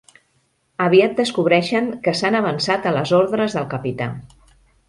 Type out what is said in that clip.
Aviat descobreixen que s'han avançat a les ordres del capità.